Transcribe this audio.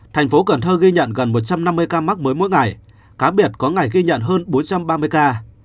thành phố cần thơ ghi nhận gần một trăm năm mươi ca mắc mới mỗi ngày cá biệt có ngày ghi nhận hơn bốn trăm ba mươi ca